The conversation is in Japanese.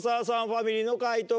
ファミリーの解答